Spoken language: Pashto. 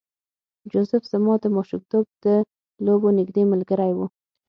جوزف زما د ماشومتوب د لوبو نږدې ملګری و